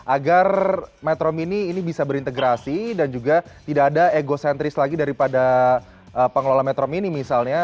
agar metro mini ini bisa berintegrasi dan juga tidak ada egocentris lagi daripada pengelola metro mini misalnya